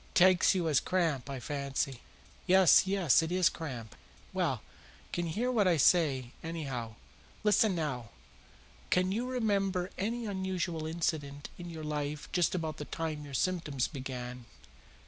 Takes you as cramp, I fancy." "Yes, yes; it is cramp." "Well, you can hear what I say, anyhow. Listen now! Can you remember any unusual incident in your life just about the time your symptoms began?"